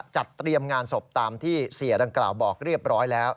จัดเตรียมงานศพตามที่เสียดังกล่าวบอกเรียบร้อยแล้ว